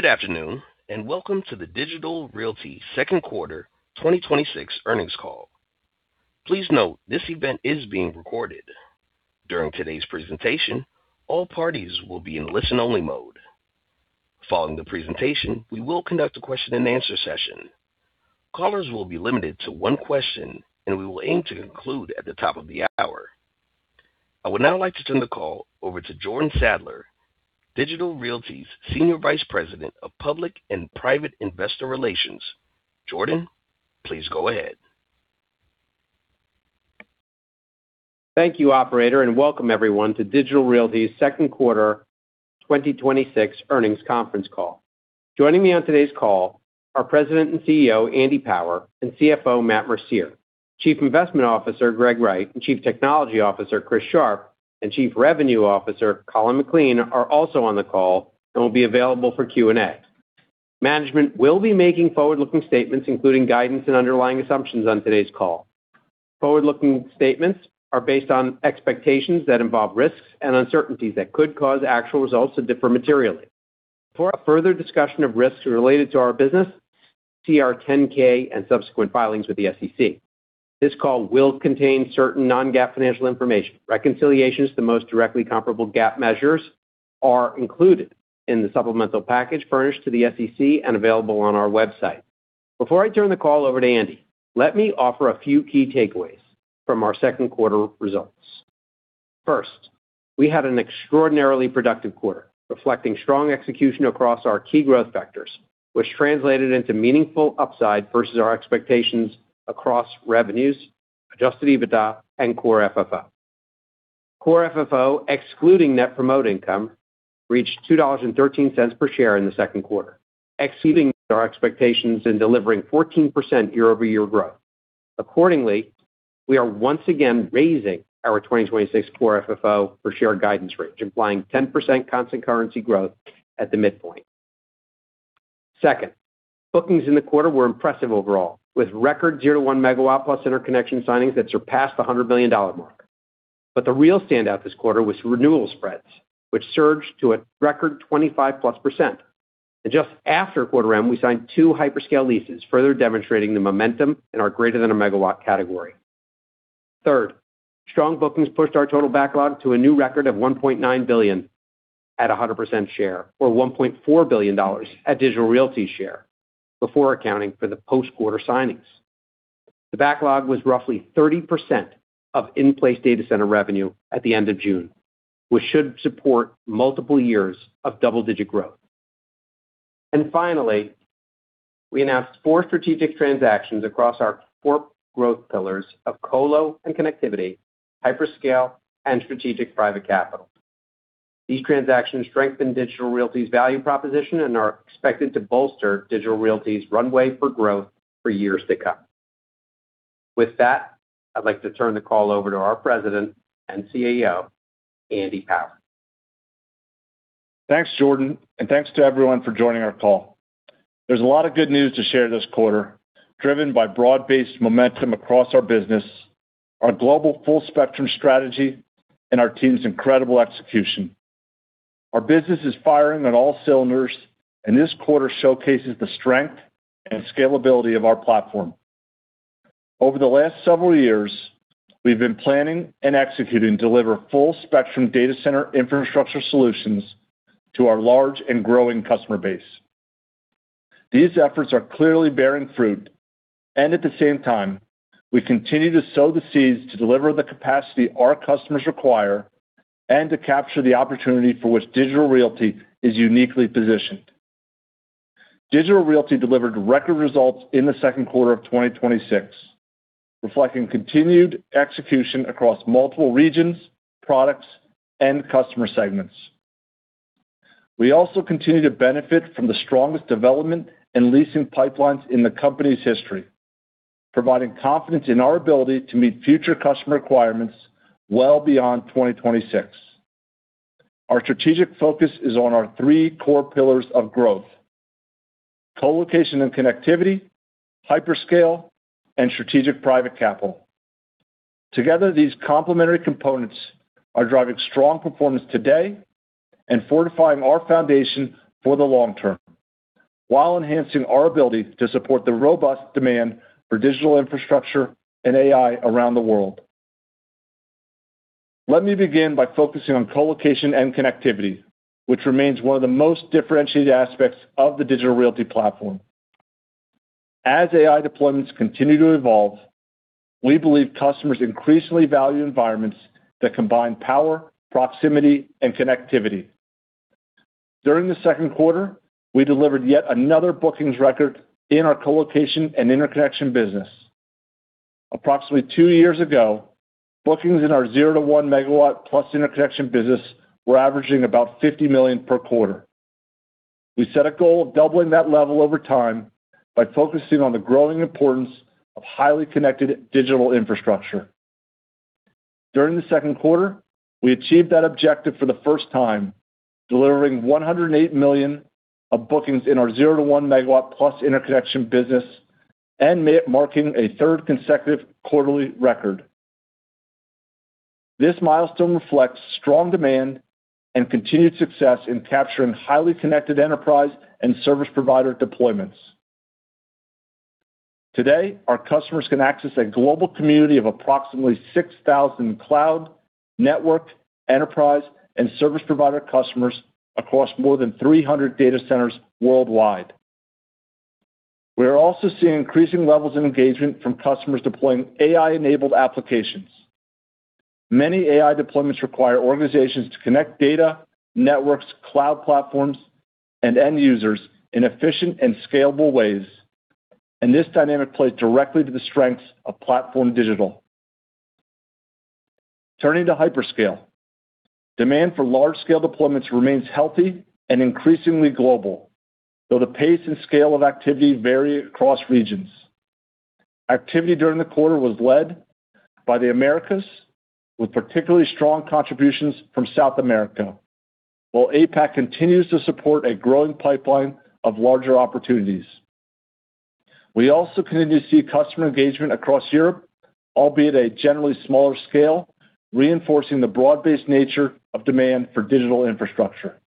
Good afternoon, welcome to the Digital Realty Second Quarter 2026 Earnings Call. Please note this event is being recorded. During today's presentation, all parties will be in listen-only mode. Following the presentation, we will conduct a question and answer session. Callers will be limited to one question. We will aim to conclude at the top of the hour. I would now like to turn the call over to Jordan Sadler, Digital Realty's Senior Vice President of Public and Private Investor Relations. Jordan, please go ahead. Thank you, operator, welcome everyone to Digital Realty's Second Quarter 2026 Earnings Conference Call. Joining me on today's call are President and CEO, Andy Power, and CFO, Matt Mercier. Chief Investment Officer, Greg Wright, Chief Technology Officer, Chris Sharp, and Chief Revenue Officer, Colin McLean, are also on the call and will be available for Q&A. Management will be making forward-looking statements, including guidance and underlying assumptions on today's call. Forward-looking statements are based on expectations that involve risks and uncertainties that could cause actual results to differ materially. For a further discussion of risks related to our business, see our 10K and subsequent filings with the SEC. This call will contain certain non-GAAP financial information. Reconciliations to the most directly comparable GAAP measures are included in the supplemental package furnished to the SEC and available on our website. Before I turn the call over to Andy, let me offer a few key takeaways from our second quarter results. First, we had an extraordinarily productive quarter, reflecting strong execution across our key growth vectors, which translated into meaningful upside versus our expectations across revenues, adjusted EBITDA, and core FFO. Core FFO, excluding net promote income, reached $2.13 per share in the second quarter, exceeding our expectations and delivering 14% year-over-year growth. Accordingly, we are once again raising our 2026 core FFO per share guidance range, implying 10% constant currency growth at the midpoint. Second, bookings in the quarter were impressive overall, with record 0-1 MW plus interconnection signings that surpassed the $100 million mark. The real standout this quarter was renewal spreads, which surged to a record 25%+. Just after quarter end, we signed two hyperscale leases, further demonstrating the momentum in our greater than 1 MW category. Third, strong bookings pushed our total backlog to a new record of $1.9 billion at 100% share or $1.4 billion at Digital Realty share, before accounting for the post-quarter signings. The backlog was roughly 30% of in-place data center revenue at the end of June, which should support multiple years of double-digit growth. Finally, we announced four strategic transactions across our four growth pillars of colo and connectivity, hyperscale, and strategic private capital. These transactions strengthen Digital Realty's value proposition and are expected to bolster Digital Realty's runway for growth for years to come. With that, I'd like to turn the call over to our President and CEO, Andy Power. Thanks, Jordan, thanks to everyone for joining our call. There's a lot of good news to share this quarter, driven by broad-based momentum across our business, our global full spectrum strategy, and our team's incredible execution. Our business is firing on all cylinders. This quarter showcases the strength and scalability of our platform. Over the last several years, we've been planning and executing to deliver full spectrum data center infrastructure solutions to our large and growing customer base. These efforts are clearly bearing fruit. At the same time, we continue to sow the seeds to deliver the capacity our customers require and to capture the opportunity for which Digital Realty is uniquely positioned. Digital Realty delivered record results in the second quarter of 2026, reflecting continued execution across multiple regions, products, and customer segments. We also continue to benefit from the strongest development and leasing pipelines in the company's history, providing confidence in our ability to meet future customer requirements well beyond 2026. Our strategic focus is on our three core pillars of growth, colocation and connectivity, hyperscale, and strategic private capital. Together, these complementary components are driving strong performance today and fortifying our foundation for the long term while enhancing our ability to support the robust demand for digital infrastructure and AI around the world. Let me begin by focusing on colocation and connectivity, which remains one of the most differentiated aspects of the Digital Realty platform. As AI deployments continue to evolve, we believe customers increasingly value environments that combine power, proximity, and connectivity. During the second quarter, we delivered yet another bookings record in our colocation and interconnection business. Approximately two years ago, bookings in our 0-1 MW plus interconnection business were averaging about $50 million per quarter. We set a goal of doubling that level over time by focusing on the growing importance of highly connected digital infrastructure. During the second quarter, we achieved that objective for the first time, delivering $108 million of bookings in our 0-1 MW plus interconnection business and marking a third consecutive quarterly record. This milestone reflects strong demand and continued success in capturing highly connected enterprise and service provider deployments. Today, our customers can access a global community of approximately 6,000 cloud, network, enterprise, and service provider customers across more than 300 data centers worldwide. We are also seeing increasing levels of engagement from customers deploying AI-enabled applications. Many AI deployments require organizations to connect data, networks, cloud platforms, and end users in efficient and scalable ways. This dynamic plays directly to the strengths of PlatformDIGITAL. Turning to hyperscale. Demand for large-scale deployments remains healthy and increasingly global, though the pace and scale of activity vary across regions. Activity during the quarter was led by the Americas, with particularly strong contributions from South America. APAC continues to support a growing pipeline of larger opportunities. We also continue to see customer engagement across Europe, albeit a generally smaller scale, reinforcing the broad-based nature of demand for digital infrastructure.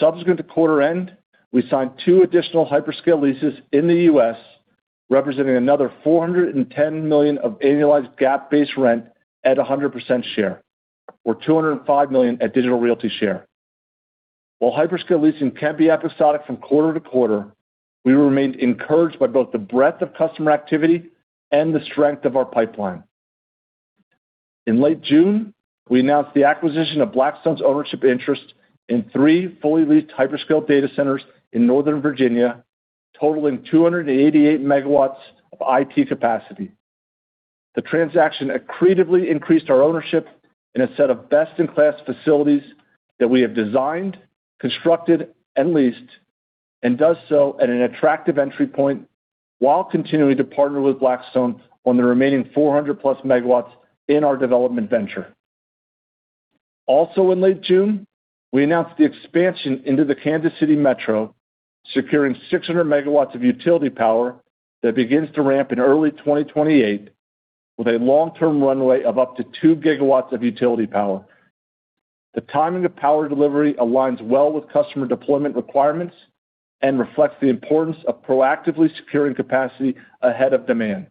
Subsequent to quarter end, we signed two additional hyperscale leases in the U.S., representing another $410 million of annualized GAAP-based rent at 100% share, or $205 million at Digital Realty share. While hyperscale leasing can be episodic from quarter to quarter, we remain encouraged by both the breadth of customer activity and the strength of our pipeline. In late June, we announced the acquisition of Blackstone's ownership interest in three fully leased hyperscale data centers in Northern Virginia, totaling 288 MW of IT capacity. The transaction accretively increased our ownership in a set of best-in-class facilities that we have designed, constructed, and leased, and does so at an attractive entry point while continuing to partner with Blackstone on the remaining 400 MW+ in our development venture. Also in late June, we announced the expansion into the Kansas City metro, securing 600 MW of utility power that begins to ramp in early 2028 with a long-term runway of up to 2 GW of utility power. The timing of power delivery aligns well with customer deployment requirements and reflects the importance of proactively securing capacity ahead of demand.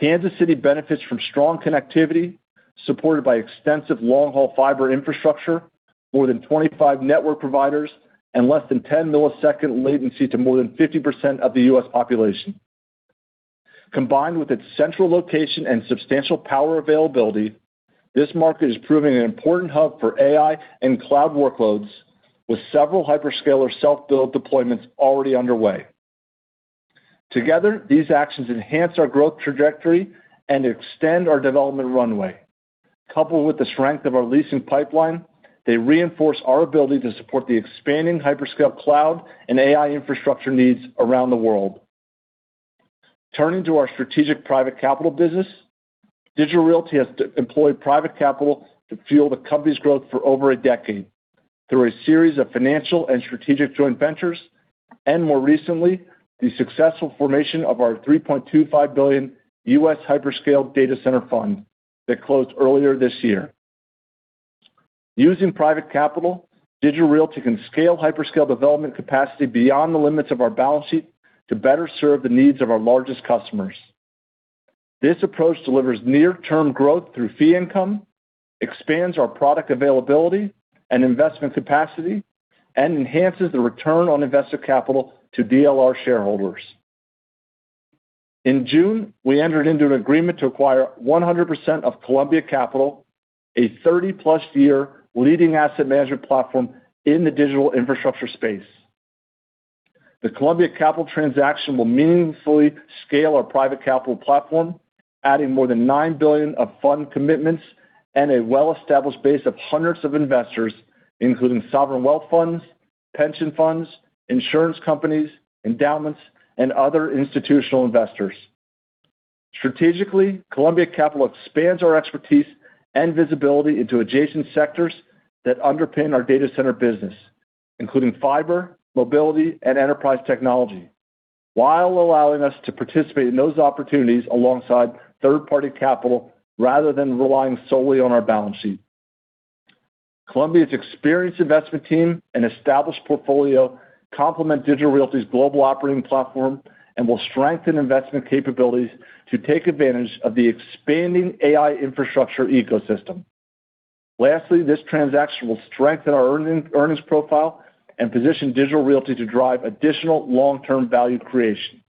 Kansas City benefits from strong connectivity supported by extensive long-haul fiber infrastructure, more than 25 network providers, and less than 10 millisecond latency to more than 50% of the U.S. population. Combined with its central location and substantial power availability, this market is proving an important hub for AI and cloud workloads, with several hyperscaler self-build deployments already underway. Together, these actions enhance our growth trajectory and extend our development runway. Coupled with the strength of our leasing pipeline, they reinforce our ability to support the expanding hyperscale cloud and AI infrastructure needs around the world. Turning to our strategic private capital business. Digital Realty has employed private capital to fuel the company's growth for over a decade through a series of financial and strategic joint ventures, and more recently, the successful formation of our $3.25 billion U.S. Hyperscale Fund that closed earlier this year. Using private capital, Digital Realty can scale hyperscale development capacity beyond the limits of our balance sheet to better serve the needs of our largest customers. This approach delivers near-term growth through fee income, expands our product availability and investment capacity, and enhances the return on invested capital to DLR shareholders. In June, we entered into an agreement to acquire 100% of Columbia Capital, a 30year leading asset management platform in the digital infrastructure space. The Columbia Capital transaction will meaningfully scale our private capital platform, adding more than nine billion of fund commitments and a well-established base of hundreds of investors, including sovereign wealth funds, pension funds, insurance companies, endowments, and other institutional investors. Strategically, Columbia Capital expands our expertise and visibility into adjacent sectors that underpin our data center business, including fiber, mobility, and enterprise technology, while allowing us to participate in those opportunities alongside third-party capital rather than relying solely on our balance sheet. Columbia's experienced investment team and established portfolio complement Digital Realty's global operating platform and will strengthen investment capabilities to take advantage of the expanding AI infrastructure ecosystem. Lastly, this transaction will strengthen our earnings profile and position Digital Realty to drive additional long-term value creation.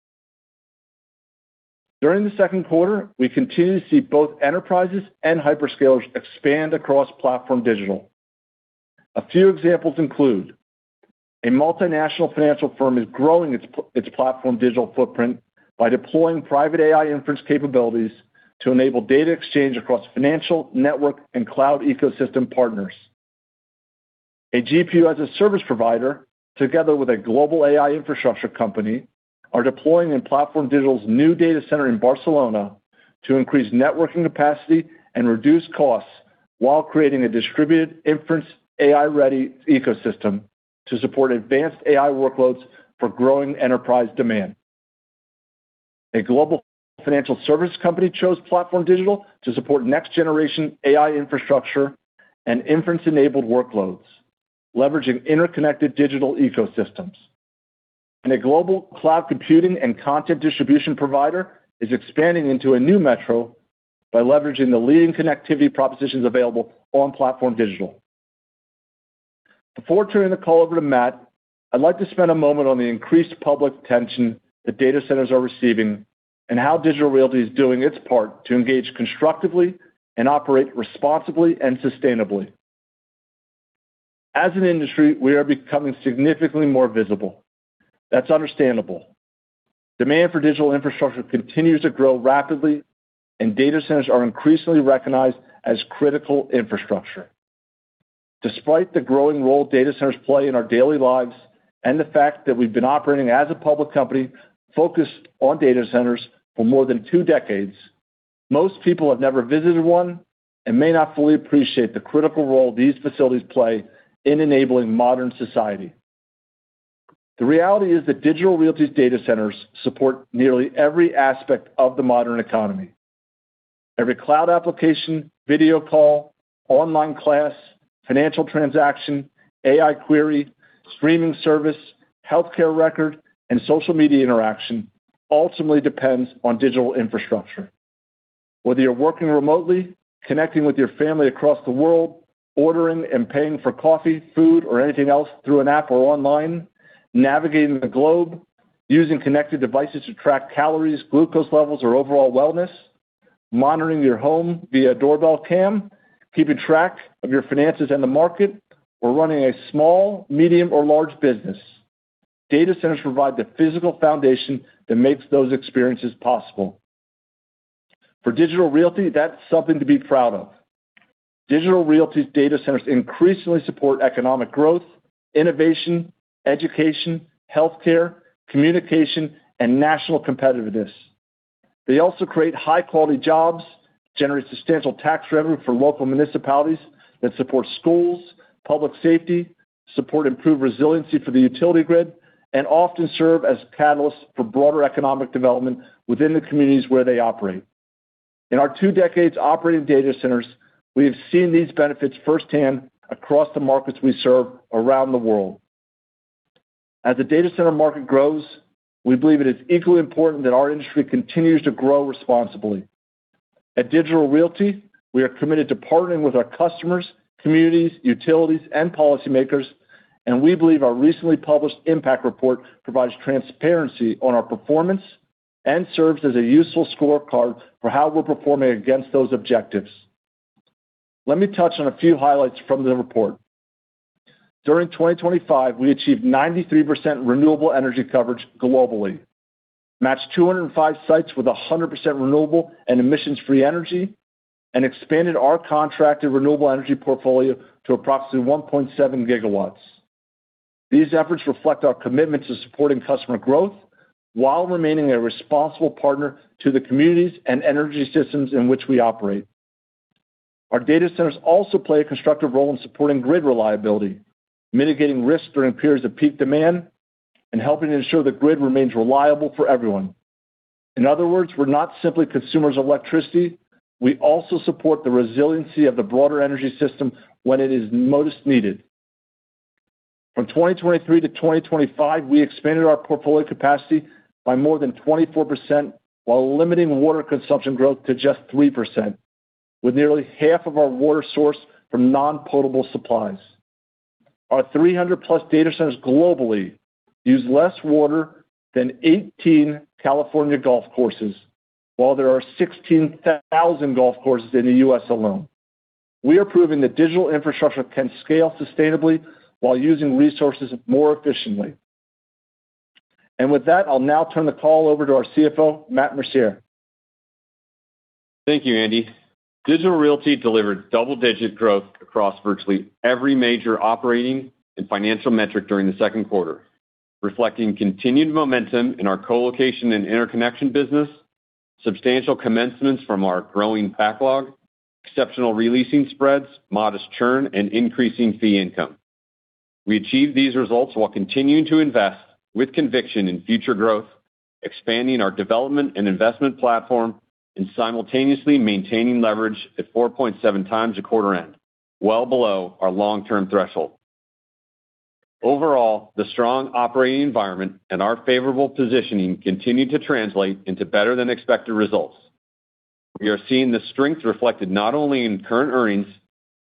During the second quarter, we continue to see both enterprises and hyperscalers expand across PlatformDIGITAL. A few examples include, a multinational financial firm is growing its PlatformDIGITAL footprint by deploying private AI inference capabilities to enable data exchange across financial, network, and cloud ecosystem partners. A GPU-as-a-service provider, together with a global AI infrastructure company, are deploying in PlatformDIGITAL's new data center in Barcelona to increase networking capacity and reduce costs while creating a distributed inference AI-ready ecosystem to support advanced AI workloads for growing enterprise demand. A global financial service company chose PlatformDIGITAL to support next-generation AI infrastructure and inference-enabled workloads, leveraging interconnected digital ecosystems. A global cloud computing and content distribution provider is expanding into a new metro by leveraging the leading connectivity propositions available on PlatformDIGITAL. Before turning the call over to Matt, I'd like to spend a moment on the increased public attention that data centers are receiving and how Digital Realty is doing its part to engage constructively and operate responsibly and sustainably. As an industry, we are becoming significantly more visible. That's understandable. Demand for digital infrastructure continues to grow rapidly, and data centers are increasingly recognized as critical infrastructure. Despite the growing role data centers play in our daily lives, and the fact that we've been operating as a public company focused on data centers for more than two decades, most people have never visited one and may not fully appreciate the critical role these facilities play in enabling modern society. The reality is that Digital Realty's data centers support nearly every aspect of the modern economy. Every cloud application, video call, online class, financial transaction, AI query, streaming service, healthcare record, and social media interaction ultimately depends on digital infrastructure. Whether you're working remotely, connecting with your family across the world, ordering and paying for coffee, food, or anything else through an app or online, navigating the globe, using connected devices to track calories, glucose levels, or overall wellness, monitoring your home via doorbell cam, keeping track of your finances and the market, or running a small, medium, or large business, data centers provide the physical foundation that makes those experiences possible. For Digital Realty, that's something to be proud of. Digital Realty's data centers increasingly support economic growth, innovation, education, healthcare, communication, and national competitiveness. They also create high-quality jobs, generate substantial tax revenue for local municipalities that support schools, public safety, support improved resiliency for the utility grid, and often serve as catalysts for broader economic development within the communities where they operate. In our two decades operating data centers, we have seen these benefits firsthand across the markets we serve around the world. As the data center market grows, we believe it is equally important that our industry continues to grow responsibly. At Digital Realty, we are committed to partnering with our customers, communities, utilities, and policymakers. We believe our recently published impact report provides transparency on our performance and serves as a useful scorecard for how we're performing against those objectives. Let me touch on a few highlights from the report. During 2025, we achieved 93% renewable energy coverage globally, matched 205 sites with 100% renewable and emissions-free energy, and expanded our contracted renewable energy portfolio to approximately 1.7 GW. These efforts reflect our commitment to supporting customer growth while remaining a responsible partner to the communities and energy systems in which we operate. Our data centers also play a constructive role in supporting grid reliability, mitigating risks during periods of peak demand, and helping to ensure the grid remains reliable for everyone. In other words, we're not simply consumers of electricity; we also support the resiliency of the broader energy system when it is most needed. From 2023 to 2025, we expanded our portfolio capacity by more than 24% while limiting water consumption growth to just 3%, with nearly half of our water sourced from non-potable supplies. Our 300+ data centers globally use less water than 18 California golf courses, while there are 16,000 golf courses in the U.S. alone. We are proving that digital infrastructure can scale sustainably while using resources more efficiently. With that, I'll now turn the call over to our CFO, Matt Mercier. Thank you, Andy. Digital Realty delivered double-digit growth across virtually every major operating and financial metric during the second quarter, reflecting continued momentum in our colocation and interconnection business, substantial commencements from our growing backlog, exceptional re-leasing spreads, modest churn, and increasing fee income. We achieved these results while continuing to invest with conviction in future growth, expanding our development and investment platform, and simultaneously maintaining leverage at 4.7x at quarter end, well below our long-term threshold. Overall, the strong operating environment and our favorable positioning continued to translate into better than expected results. We are seeing the strength reflected not only in current earnings,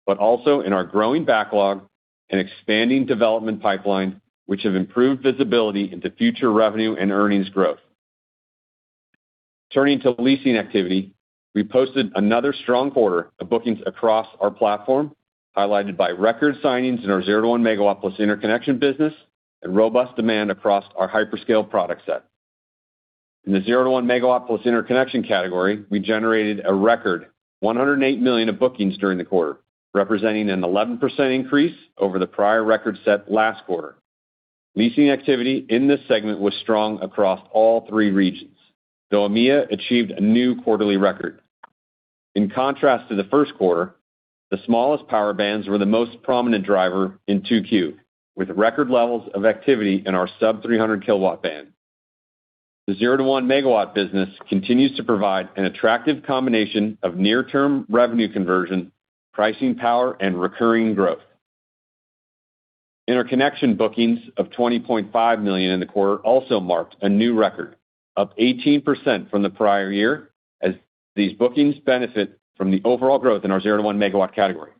but also in our growing backlog and expanding development pipeline, which have improved visibility into future revenue and earnings growth. Turning to leasing activity, we posted another strong quarter of bookings across our platform, highlighted by record signings in our 0-1 MW plus interconnection business and robust demand across our hyperscale product set. In the 0-1 MW plus interconnection category, we generated a record $108 million of bookings during the quarter, representing an 11% increase over the prior record set last quarter. Leasing activity in this segment was strong across all three regions, though EMEA achieved a new quarterly record. In contrast to the first quarter, the smallest power bands were the most prominent driver in 2Q, with record levels of activity in our sub 300 kW band. The 0-1 MW business continues to provide an attractive combination of near-term revenue conversion, pricing power, and recurring growth. Interconnection bookings of $20.5 million in the quarter also marked a new record, up 18% from the prior year, as these bookings benefit from the overall growth in our 0-1 MW category.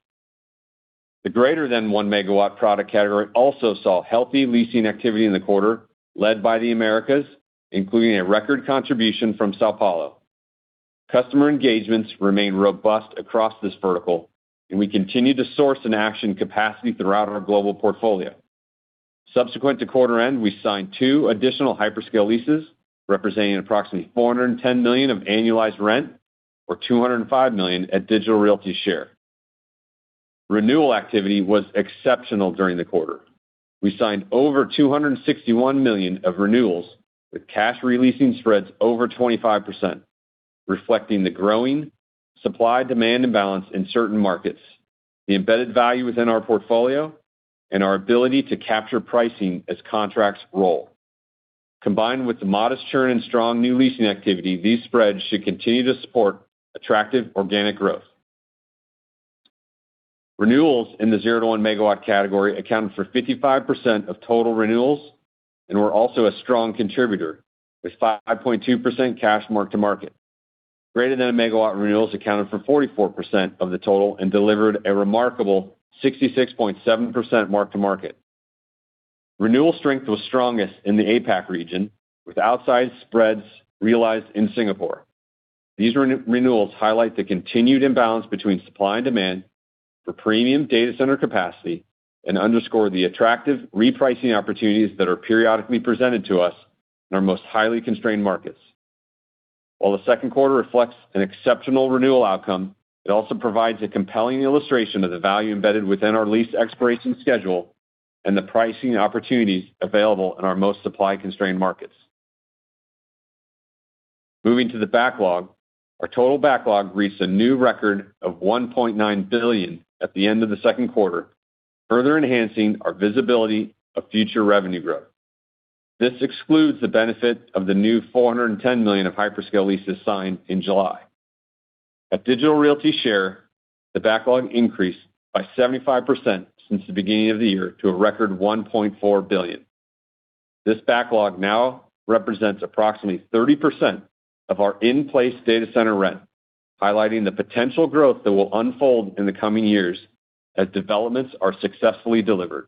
The greater than 1 MW product category also saw healthy leasing activity in the quarter, led by the Americas, including a record contribution from São Paulo. Customer engagements remain robust across this vertical. We continue to source and action capacity throughout our global portfolio. Subsequent to quarter end, we signed two additional hyperscale leases, representing approximately $410 million of annualized rent, or $205 million at Digital Realty share. Renewal activity was exceptional during the quarter. We signed over $261 million of renewals with cash re-leasing spreads over 25%, reflecting the growing supply-demand imbalance in certain markets, the embedded value within our portfolio, and our ability to capture pricing as contracts roll. Combined with the modest churn and strong new leasing activity, these spreads should continue to support attractive organic growth. Renewals in the 0-1 MW category accounted for 55% of total renewals and were also a strong contributor, with 5.2% cash mark-to-market. Greater than a megawatt renewals accounted for 44% of the total and delivered a remarkable 66.7% mark-to-market. Renewal strength was strongest in the APAC region, with outsized spreads realized in Singapore. These renewals highlight the continued imbalance between supply and demand for premium data center capacity and underscore the attractive repricing opportunities that are periodically presented to us in our most highly constrained markets. While the second quarter reflects an exceptional renewal outcome, it also provides a compelling illustration of the value embedded within our lease expiration schedule and the pricing opportunities available in our most supply-constrained markets. Moving to the backlog. Our total backlog reached a new record of $1.9 billion at the end of the second quarter, further enhancing our visibility of future revenue growth. This excludes the benefit of the new $410 million of hyperscale leases signed in July. At Digital Realty share, the backlog increased by 75% since the beginning of the year to a record $1.4 billion. This backlog now represents approximately 30% of our in-place data center rent, highlighting the potential growth that will unfold in the coming years as developments are successfully delivered.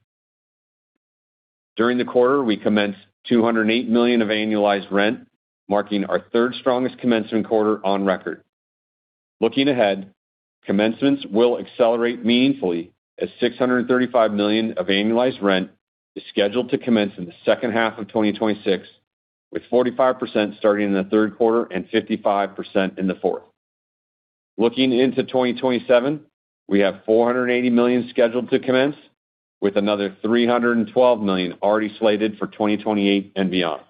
During the quarter, we commenced $208 million of annualized rent, marking our third strongest commencement quarter on record. Looking ahead, commencements will accelerate meaningfully as $635 million of annualized rent is scheduled to commence in the second half of 2026, with 45% starting in the third quarter and 55% in the fourth. Looking into 2027, we have $480 million scheduled to commence, with another $312 million already slated for 2028 and beyond.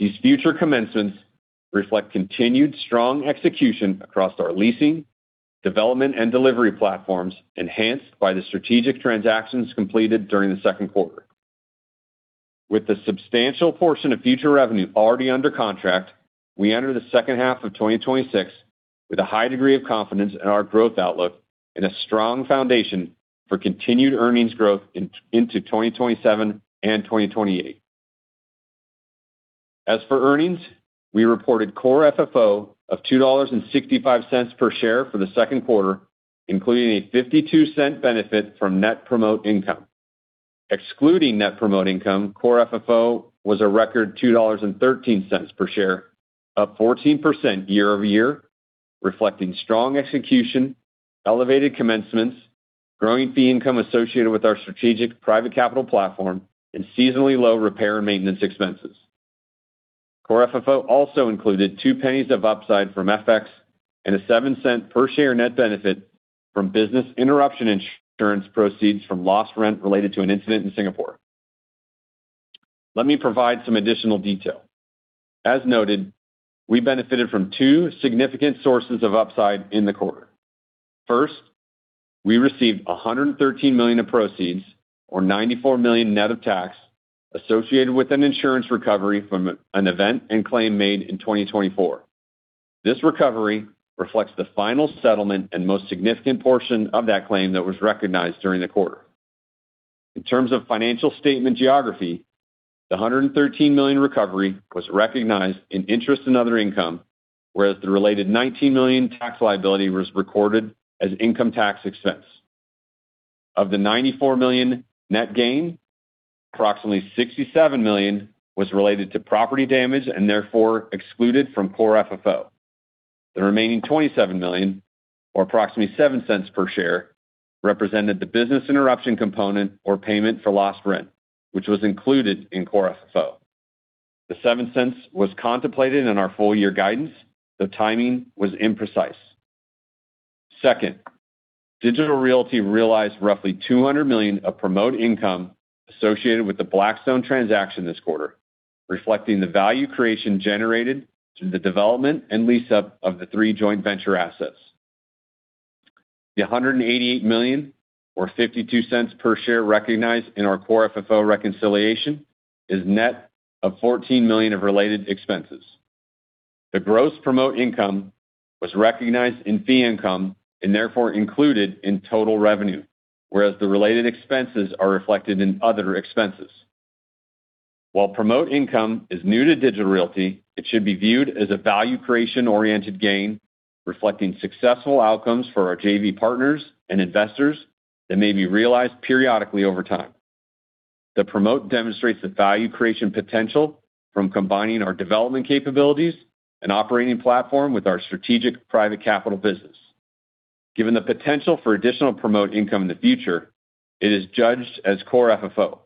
These future commencements reflect continued strong execution across our leasing, development, and delivery platforms, enhanced by the strategic transactions completed during the second quarter. With the substantial portion of future revenue already under contract, we enter the second half of 2026 with a high degree of confidence in our growth outlook and a strong foundation for continued earnings growth into 2027 and 2028. As for earnings, we reported core FFO of $2.65 per share for the second quarter, including a $0.52 benefit from net promote income. Excluding net promote income, core FFO was a record $2.13 per share, up 14% year-over-year, reflecting strong execution, elevated commencements, growing fee income associated with our strategic private capital platform, and seasonally low repair and maintenance expenses. Core FFO also included $0.02 of upside from FX and a $0.07 per share net benefit from business interruption insurance proceeds from lost rent related to an incident in Singapore. Let me provide some additional detail. As noted, we benefited from two significant sources of upside in the quarter. First, we received $113 million of proceeds, or $94 million net of tax, associated with an insurance recovery from an event and claim made in 2024. This recovery reflects the final settlement and most significant portion of that claim that was recognized during the quarter. In terms of financial statement geography, the $113 million recovery was recognized in interest and other income, whereas the related $19 million tax liability was recorded as income tax expense. Of the $94 million net gain, approximately $67 million was related to property damage and therefore excluded from Core FFO. The remaining $27 million, or approximately $0.07 per share, represented the business interruption component or payment for lost rent, which was included in Core FFO. The $0.07 was contemplated in our full year guidance, though timing was imprecise. Second, Digital Realty realized roughly $200 million of promote income associated with the Blackstone transaction this quarter, reflecting the value creation generated through the development and lease-up of the three joint venture assets. The $188 million, or $0.52 per share recognized in our Core FFO reconciliation, is net of $14 million of related expenses. The gross promote income was recognized in fee income and therefore included in total revenue, whereas the related expenses are reflected in other expenses. While promote income is new to Digital Realty, it should be viewed as a value creation-oriented gain, reflecting successful outcomes for our JV partners and investors that may be realized periodically over time. The promote demonstrates the value creation potential from combining our development capabilities and operating platform with our strategic private capital business. Given the potential for additional promote income in the future, it is judged as Core FFO.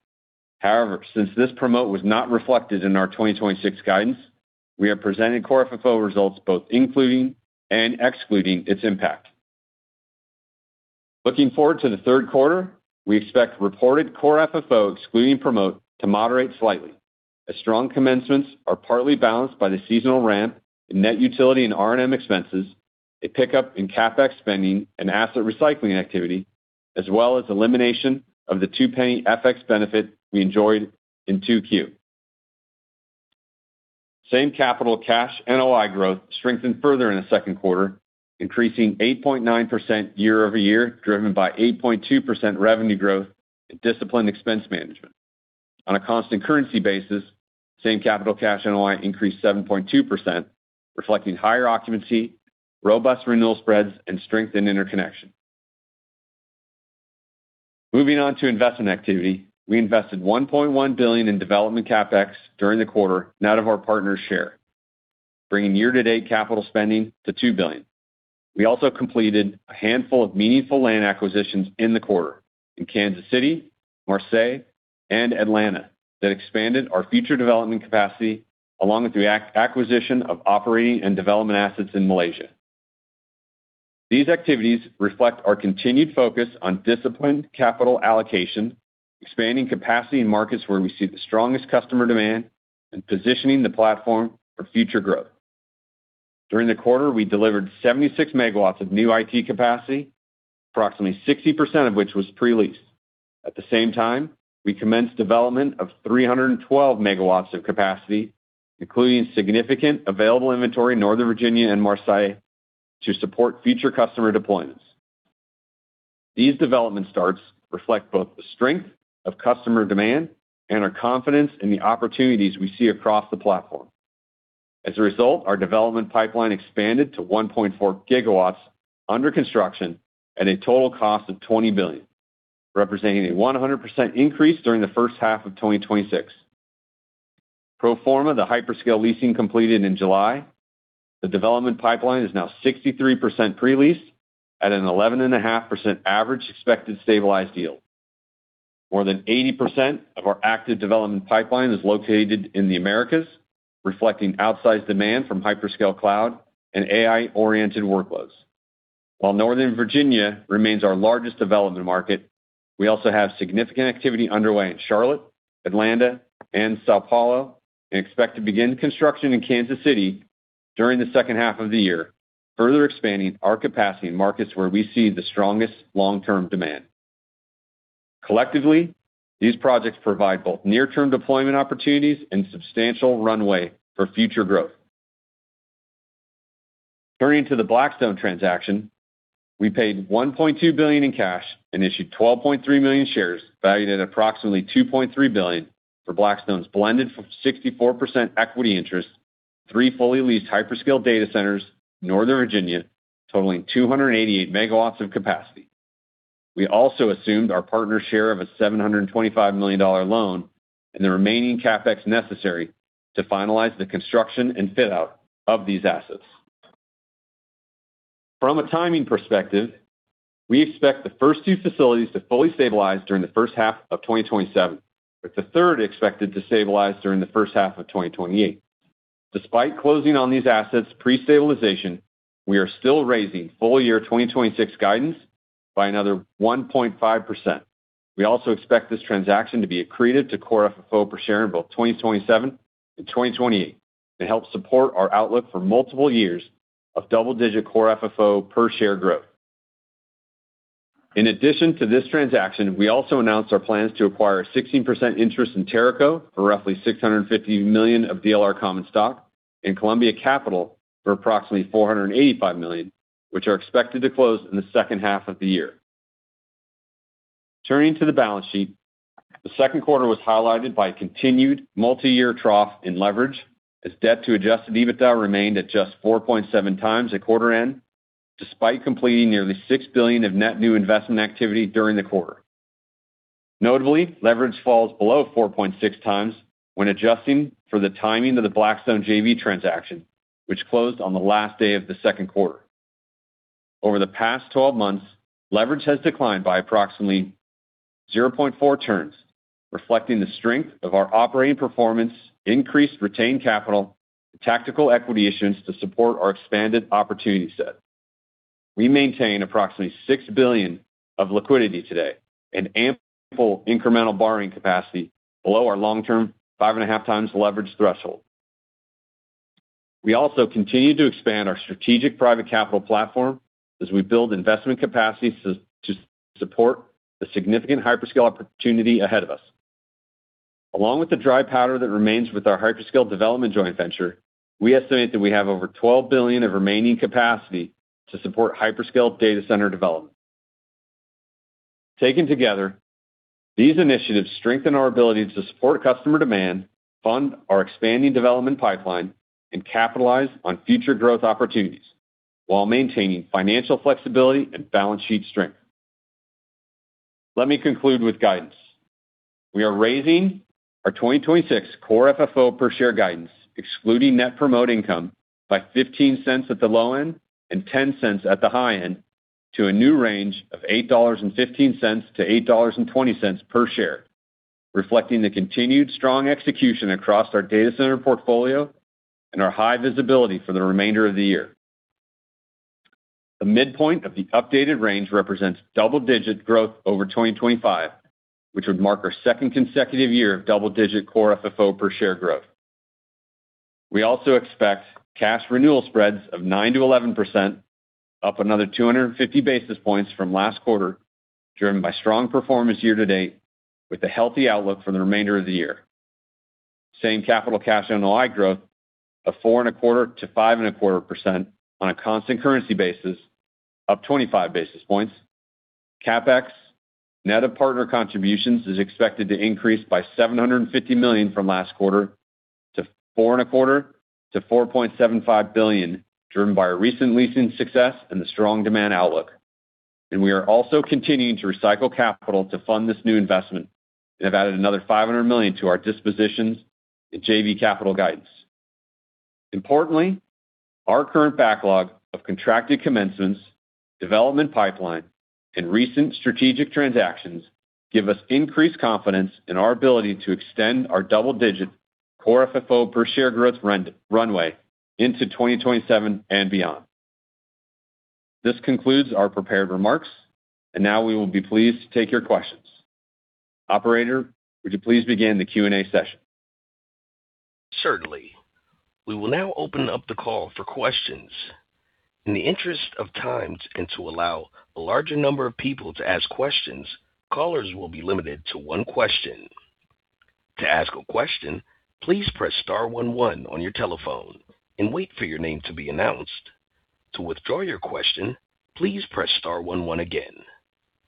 However, since this promote was not reflected in our 2026 guidance, we have presented Core FFO results both including and excluding its impact. Looking forward to the third quarter, we expect reported Core FFO excluding promote to moderate slightly as strong commencements are partly balanced by the seasonal ramp in net utility and R&M expenses, a pickup in CapEx spending and asset recycling activity, as well as elimination of the $0.02 FX benefit we enjoyed in 2Q. Same-capital cash NOI growth strengthened further in the second quarter, increasing 8.9% year-over-year, driven by 8.2% revenue growth and disciplined expense management. On a constant currency basis, same-capital cash NOI increased 7.2%, reflecting higher occupancy, robust renewal spreads, and strengthened interconnection. Moving on to investment activity, we invested $1.1 billion in development CapEx during the quarter, net of our partners' share, bringing year-to-date capital spending to $2 billion. We also completed a handful of meaningful land acquisitions in the quarter in Kansas City, Marseille, and Atlanta that expanded our future development capacity, along with the acquisition of operating and development assets in Malaysia. These activities reflect our continued focus on disciplined capital allocation, expanding capacity in markets where we see the strongest customer demand, and positioning the platform for future growth. During the quarter, we delivered 76 MW of new IT capacity, approximately 60% of which was pre-leased. At the same time, we commenced development of 312 MW of capacity, including significant available inventory in Northern Virginia and Marseille to support future customer deployments. These development starts reflect both the strength of customer demand and our confidence in the opportunities we see across the platform. As a result, our development pipeline expanded to 1.4 GW under construction at a total cost of $20 billion, representing a 100% increase during the first half of 2026. Pro forma, the hyperscale leasing completed in July. The development pipeline is now 63% pre-leased at an 11.5% average expected stabilized yield. More than 80% of our active development pipeline is located in the Americas, reflecting outsized demand from hyperscale cloud and AI-oriented workloads. While Northern Virginia remains our largest development market, we also have significant activity underway in Charlotte, Atlanta, and São Paulo, and expect to begin construction in Kansas City during the second half of the year, further expanding our capacity in markets where we see the strongest long-term demand. Collectively, these projects provide both near-term deployment opportunities and substantial runway for future growth. Turning to the Blackstone transaction, we paid $1.2 billion in cash and issued 12.3 million shares valued at approximately $2.3 billion for Blackstone's blended 64% equity interest in three fully leased hyperscale data centers in Northern Virginia, totaling 288 MW of capacity. We also assumed our partner's share of a $725 million loan and the remaining CapEx necessary to finalize the construction and fit-out of these assets. From a timing perspective, we expect the first two facilities to fully stabilize during the first half of 2027, with the third expected to stabilize during the first half of 2028. Despite closing on these assets pre-stabilization, we are still raising full-year 2026 guidance by another 1.5%. We also expect this transaction to be accretive to core FFO per share in both 2027 and 2028 and help support our outlook for multiple years of double-digit core FFO per share growth. In addition to this transaction, we also announced our plans to acquire a 16% interest in Teraco for roughly $650 million of DLR common stock and Columbia Capital for approximately $485 million, which are expected to close in the second half of the year. Turning to the balance sheet, the second quarter was highlighted by a continued multiyear trough in leverage as debt to adjusted EBITDA remained at just 4.7x at quarter end, despite completing nearly $6 billion of net new investment activity during the quarter. Notably, leverage falls below 4.6x when adjusting for the timing of the Blackstone JV transaction, which closed on the last day of the second quarter. Over the past 12 months, leverage has declined by approximately 0.4 turns, reflecting the strength of our operating performance, increased retained capital, and tactical equity issuance to support our expanded opportunity set. We maintain approximately $6 billion of liquidity today, and ample incremental borrowing capacity below our long-term 5.5x leverage threshold. We also continue to expand our strategic private capital platform as we build investment capacity to support the significant hyperscale opportunity ahead of us. Along with the dry powder that remains with our hyperscale development joint venture, we estimate that we have over $12 billion of remaining capacity to support hyperscale data center development. Taken together, these initiatives strengthen our ability to support customer demand, fund our expanding development pipeline, and capitalize on future growth opportunities while maintaining financial flexibility and balance sheet strength. Let me conclude with guidance. We are raising our 2026 core FFO per share guidance, excluding net promote income, by $0.15 at the low end and $0.10 at the high end to a new range of $8.15-$8.20 per share, reflecting the continued strong execution across our data center portfolio and our high visibility for the remainder of the year. The midpoint of the updated range represents double-digit growth over 2025, which would mark our second consecutive year of double-digit core FFO per share growth. We also expect cash renewal spreads of 9%-11%, up another 250 basis points from last quarter, driven by strong performance year to date with a healthy outlook for the remainder of the year. Same capital cash NOI growth of 4.25%-5.25% on a constant currency basis, up 25 basis points. CapEx net of partner contributions is expected to increase by $750 million from last quarter to $4.25 billion-$4.75 billion, driven by our recent leasing success and the strong demand outlook. We are also continuing to recycle capital to fund this new investment and have added another $500 million to our dispositions in JV capital guidance. Importantly, our current backlog of contracted commencements, development pipeline, and recent strategic transactions give us increased confidence in our ability to extend our double-digit core FFO per share growth runway into 2027 and beyond. This concludes our prepared remarks. Now we will be pleased to take your questions. Operator, would you please begin the Q&A session? Certainly. We will now open up the call for questions. In the interest of time and to allow a larger number of people to ask questions, callers will be limited to one question. To ask a question, please press star one one on your telephone and wait for your name to be announced. To withdraw your question, please press star one one again.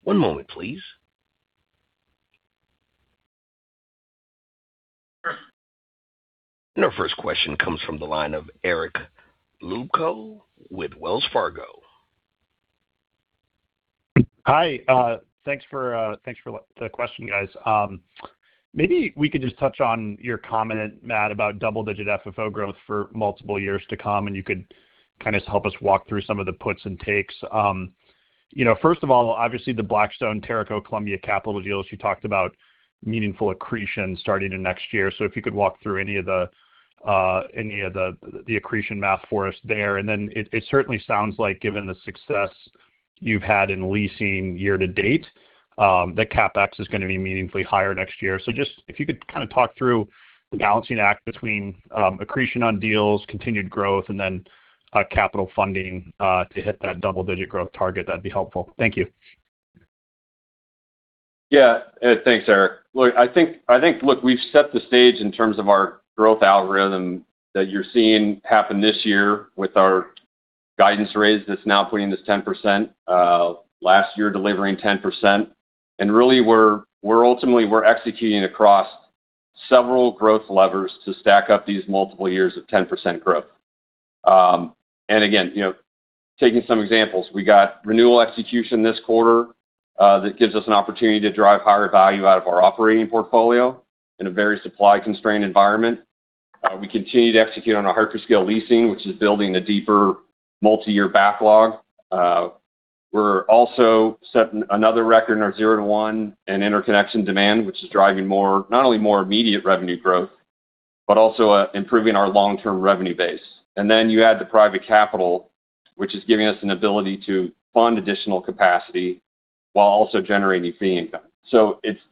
One moment, please. Our first question comes from the line of Eric Luebchow with Wells Fargo. Hi, thanks for the question, guys. Maybe we could just touch on your comment, Matt, about double-digit FFO growth for multiple years to come. You could kind of help us walk through some of the puts and takes. First of all, obviously the Blackstone, Teraco, Columbia Capital deals, you talked about meaningful accretion starting in next year. If you could walk through any of the accretion math for us there, and then it certainly sounds like given the success you've had in leasing year to date, that CapEx is going to be meaningfully higher next year. Just if you could kind of talk through the balancing act between accretion on deals, continued growth, and then capital funding to hit that double-digit growth target, that'd be helpful. Thank you. Yeah. Thanks, Eric. Look, I think we've set the stage in terms of our growth algorithm that you're seeing happen this year with our guidance raise that's now putting this 10%, last year delivering 10%. Really, we're ultimately executing across several growth levers to stack up these multiple years of 10% growth. Again, taking some examples. We got renewal execution this quarter that gives us an opportunity to drive higher value out of our operating portfolio in a very supply-constrained environment. We continue to execute on our hyperscale leasing, which is building a deeper multiyear backlog. We're also setting another record in our zero to one and interconnection demand, which is driving not only more immediate revenue growth, but also improving our long-term revenue base. Then you add the private capital, which is giving us an ability to fund additional capacity while also generating fee income.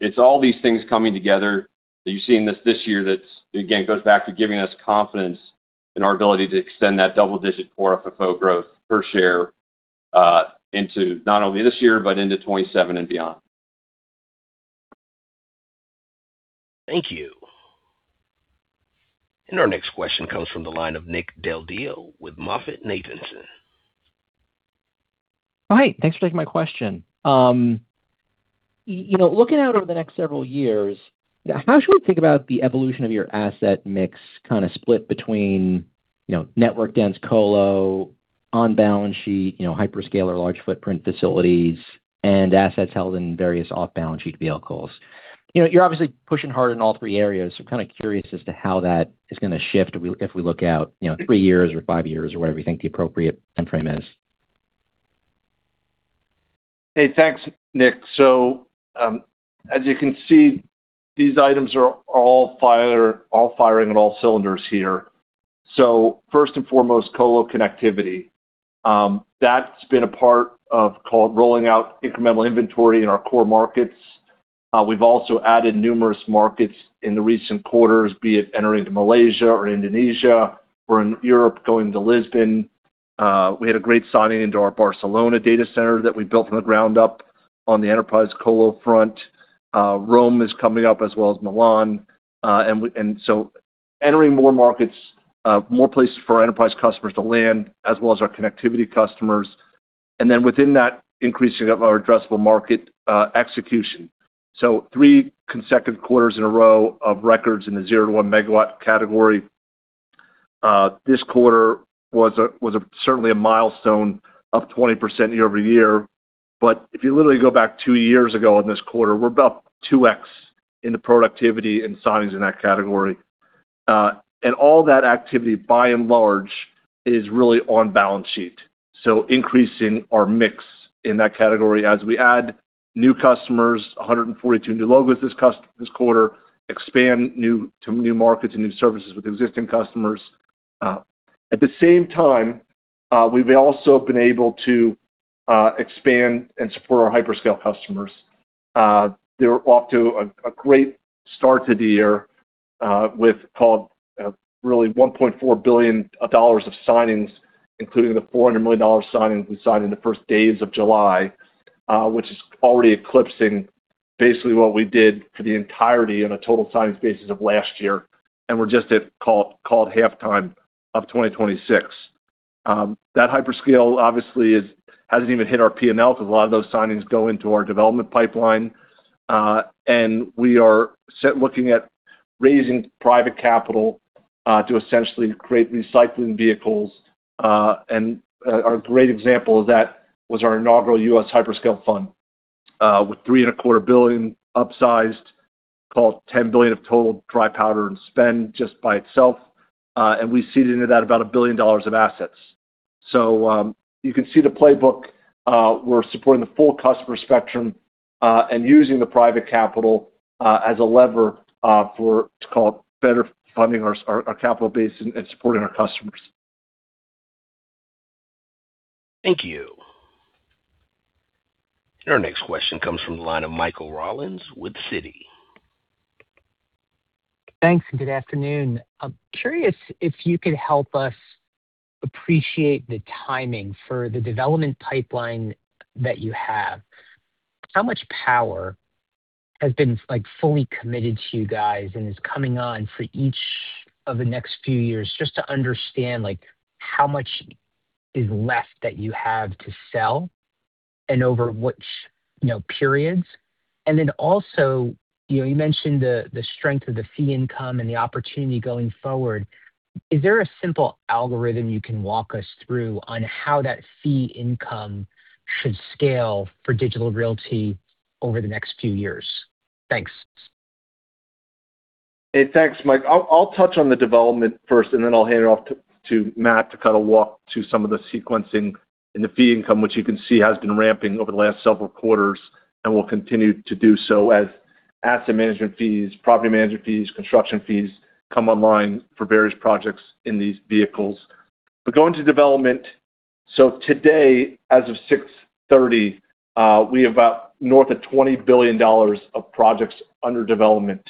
It's all these things coming together that you're seeing this year that, again, goes back to giving us confidence in our ability to extend that double-digit core FFO growth per share into not only this year, but into 2027 and beyond. Thank you. Our next question comes from the line of Nick Del Deo with MoffettNathanson. Hi, thanks for taking my question. Looking out over the next several years, how should we think about the evolution of your asset mix kind of split between network dense colo, on-balance sheet, hyperscale or large footprint facilities, and assets held in various off-balance sheet vehicles? You're obviously pushing hard in all three areas. I'm kind of curious as to how that is going to shift if we look out three years or five years or whatever you think the appropriate timeframe is. Hey, thanks, Nick. As you can see, these items are all firing on all cylinders here. First and foremost, colo connectivity. That's been a part of rolling out incremental inventory in our core markets. We've also added numerous markets in the recent quarters, be it entering into Malaysia or Indonesia. We're in Europe, going to Lisbon. We had a great signing into our Barcelona data center that we built from the ground up on the enterprise colo front. Rome is coming up as well as Milan. Entering more markets, more places for our enterprise customers to land as well as our connectivity customers. Within that, increasing of our addressable market execution. Three consecutive quarters in a row of records in the 0-1 MW category. This quarter was certainly a milestone of 20% year-over-year. If you literally go back two years ago in this quarter, we're about 2x in the productivity and signings in that category. All that activity, by and large, is really on balance sheet. Increasing our mix in that category as we add new customers, 142 new logos this quarter, expand to new markets and new services with existing customers. At the same time, we've also been able to expand and support our hyperscale customers. They're off to a great start to the year, with really $1.4 billion of signings, including the $400 million signing we signed in the first days of July, which is already eclipsing basically what we did for the entirety on a total signings basis of last year. We're just at called halftime of 2026. That hyperscale obviously hasn't even hit our P&L because a lot of those signings go into our development pipeline. We are looking at raising private capital to essentially create recycling vehicles. A great example of that was our inaugural U.S. Hyperscale Fund, with three and a quarter billion upsized, called $10 billion of total dry powder and spend just by itself. We seeded into that about $1 billion of assets. You can see the playbook. We're supporting the full customer spectrum, and using the private capital as a lever for better funding our capital base and supporting our customers. Thank you. Our next question comes from the line of Michael Rollins with Citi. Thanks, good afternoon. I'm curious if you could help us appreciate the timing for the development pipeline that you have. How much power has been fully committed to you guys and is coming on for each of the next few years, just to understand how much is left that you have to sell and over which periods? Also, you mentioned the strength of the fee income and the opportunity going forward. Is there a simple algorithm you can walk us through on how that fee income should scale for Digital Realty over the next few years? Thanks. Hey, thanks, Mike. I'll touch on the development first, and then I'll hand it off to Matt to kind of walk to some of the sequencing and the fee income, which you can see has been ramping over the last several quarters and will continue to do so as asset management fees, property management fees, construction fees come online for various projects in these vehicles. Going to development. Today, as of 6:30, we have about north of $20 billion of projects under development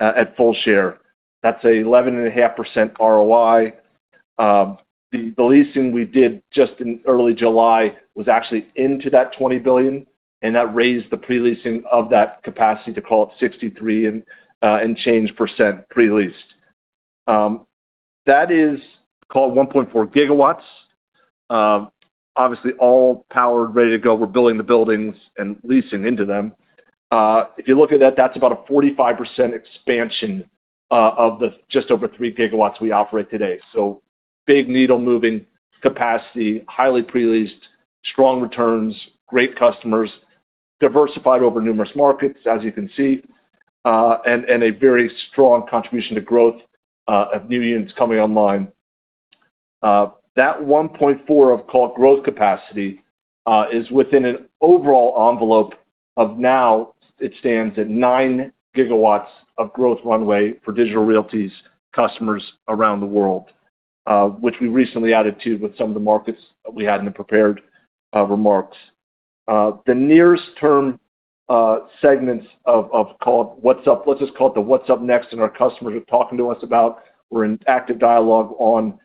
at full share. That's 11.5% ROI. The leasing we did just in early July was actually into that $20 billion, and that raised the pre-leasing of that capacity to call it 63% and change pre-leased. That is called 1.4 GW. Obviously, all powered, ready to go. We're building the buildings and leasing into them. If you look at that's about a 45% expansion of just over 3 GW we operate today. Big needle moving capacity, highly pre-leased, strong returns, great customers, diversified over numerous markets, as you can see, and a very strong contribution to growth of new units coming online. That 1.4 GW of growth capacity is within an overall envelope of now it stands at 9 GW of growth runway for Digital Realty's customers around the world, which we recently added to with some of the markets that we had in the prepared remarks. The nearest term segments of what's up, let's just call it the what's up next and our customers are talking to us about, we're in active dialogue on,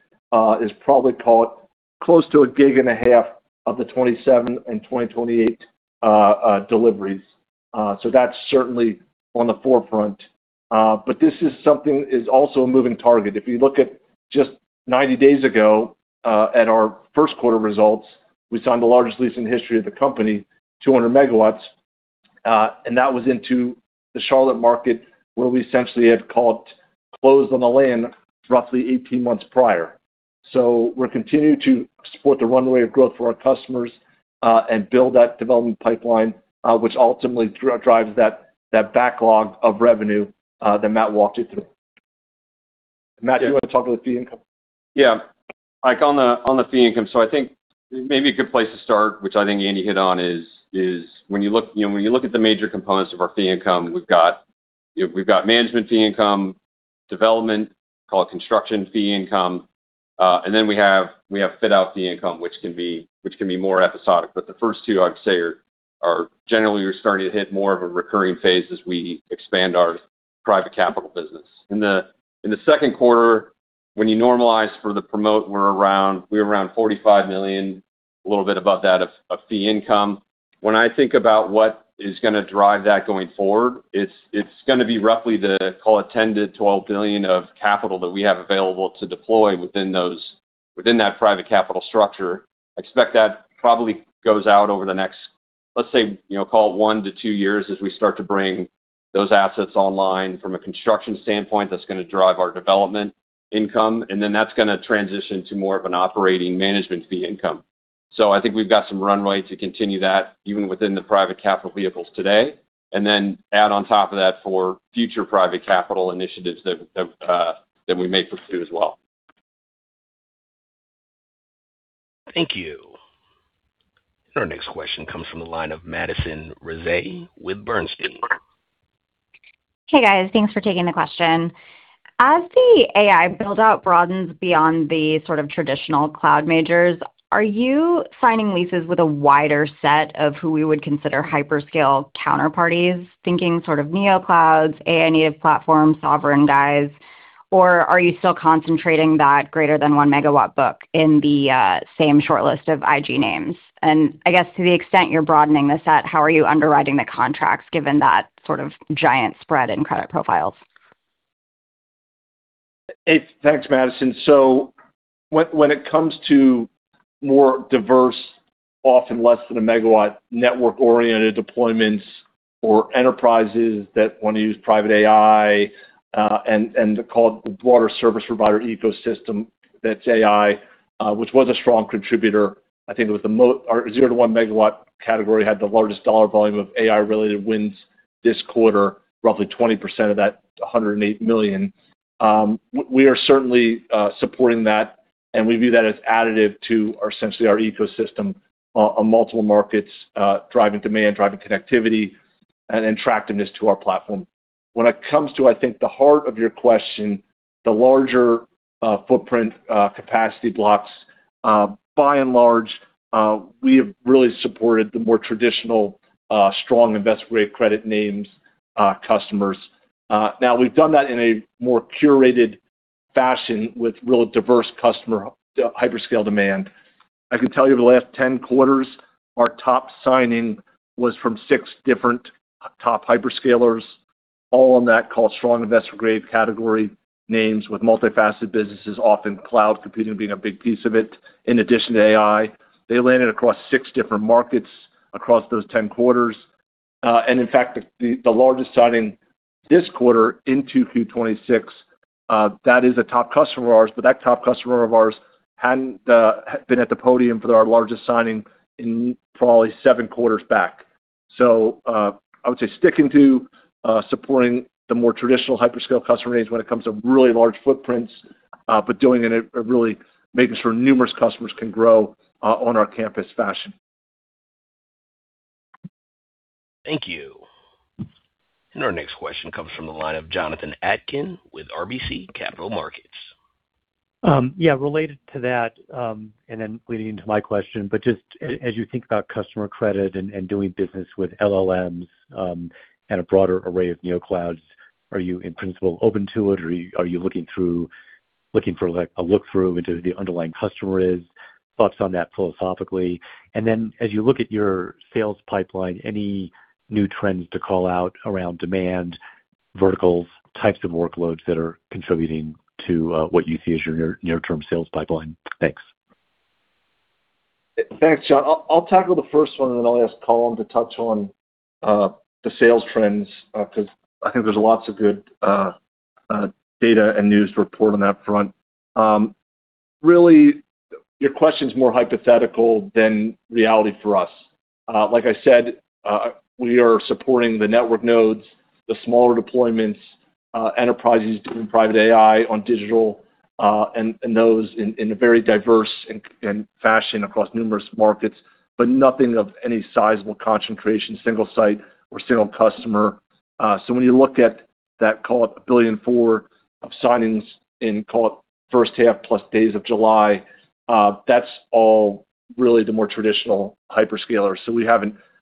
is probably close to 1.5 GW of the 2027 and 2028 deliveries. That's certainly on the forefront. This is also a moving target. If you look at just 90 days ago at our first quarter results, we signed the largest lease in the history of the company, 200 MW, and that was into the Charlotte market where we essentially had closed on the land roughly 18 months prior. We're continuing to support the runway of growth for our customers, and build that development pipeline, which ultimately drives that backlog of revenue that Matt walked you through. Matt, do you want to talk about the fee income? On the fee income, I think maybe a good place to start, which I think Andy hit on, is when you look at the major components of our fee income, we've got management fee income, development, call it construction fee income, and then we have fit-out fee income, which can be more episodic. The first two, I'd say, are generally we're starting to hit more of a recurring phase as we expand our private capital business. In the second quarter, when you normalize for the promote, we're around $45 million, a little bit above that of fee income. When I think about what is going to drive that going forward, it's going to be roughly the, call it, $10 billion-$12 billion of capital that we have available to deploy within that private capital structure. Expect that probably goes out over the next, let's say, call it one to two years as we start to bring those assets online. From a construction standpoint, that's going to drive our development income, and then that's going to transition to more of an operating management fee income. I think we've got some runway to continue that even within the private capital vehicles today. Add on top of that for future private capital initiatives that we may pursue as well. Thank you. Our next question comes from the line of Madison Rezaei with Bernstein. Hey, guys. Thanks for taking the question. As the AI build-out broadens beyond the sort of traditional cloud majors, are you signing leases with a wider set of who we would consider hyperscale counterparties, thinking sort of neo clouds, AI native platform, sovereign guys? Or are you still concentrating that greater than 1 MW book in the same shortlist of IG names? I guess to the extent you're broadening the set, how are you underwriting the contracts given that sort of giant spread in credit profiles? Thanks, Madison. When it comes to more diverse, often less than a megawatt network-oriented deployments or enterprises that want to use private AI, and call it the broader service provider ecosystem, that's AI, which was a strong contributor. I think our 0-1 MW category had the largest dollar volume of AI-related wins this quarter, roughly 20% of that $108 million. We are certainly supporting that, and we view that as additive to essentially our ecosystem, multiple markets, driving demand, driving connectivity, and attractiveness to our platform. When it comes to, I think, the heart of your question, the larger footprint capacity blocks, by and large, we have really supported the more traditional, strong investment-grade credit names customers. Now, we've done that in a more curated fashion with real diverse customer hyperscale demand. I can tell you the last 10 quarters, our top signing was from six different top hyperscalers, all on that call strong investor grade category names with multifaceted businesses, often cloud computing being a big piece of it, in addition to AI. They landed across six different markets across those 10 quarters. In fact, the largest signing this quarter into Q26, that is a top customer of ours, but that top customer of ours hadn't been at the podium for our largest signing in probably seven quarters back. I would say sticking to supporting the more traditional hyperscale customer base when it comes to really large footprints, but doing it really making sure numerous customers can grow on our campus fashion. Thank you. Our next question comes from the line of Jonathan Atkin with RBC Capital Markets. Yeah. Related to that, leading into my question, as you think about customer credit and doing business with LLMs, and a broader array of neo clouds, are you in principle open to it, or are you looking for a look-through into who the underlying customer is? Thoughts on that philosophically. As you look at your sales pipeline, any new trends to call out around demand, verticals, types of workloads that are contributing to what you see as your near-term sales pipeline? Thanks. Thanks, John. I'll tackle the first one, then I'll ask Colin to touch on the sales trends, because I think there's lots of good data and news to report on that front. Really, your question's more hypothetical than reality for us. Like I said, we are supporting the network nodes, the smaller deployments, enterprises doing private AI on digital, and those in a very diverse fashion across numerous markets, but nothing of any sizable concentration, single site or single customer. When you look at that, call it $1.4 billion of signings in, call it first half plus days of July, that's all really the more traditional hyperscalers.